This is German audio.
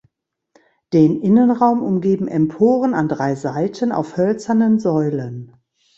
Den Innenraum umgeben Emporen an drei Seiten auf hölzernen Säulen.